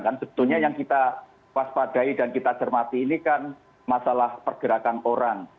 kan sebetulnya yang kita waspadai dan kita cermati ini kan masalah pergerakan orang